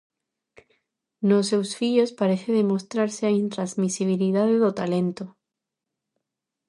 Nos seus fillos parece demostrarse a intransmisibilidade do talento.